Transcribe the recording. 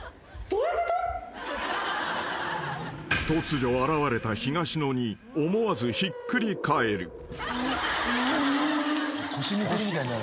［突如現れた東野に思わずひっくり返る］